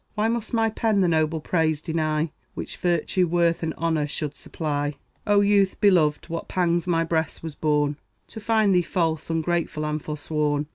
Why must my pen the noble praise deny, Which virtue, worth, and honor should supply? O youth beloved! what pangs my breast has borne To find thee false, ungrateful, and forsworn!